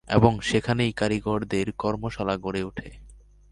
এবং সেখানেই কারিগরদের কর্মশালা গড়ে উঠে।